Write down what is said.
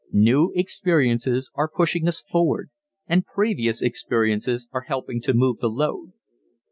New experiences are pushing us forward and previous experiences are helping to move the load.